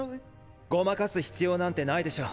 ごまかす必要なんてないでしょ。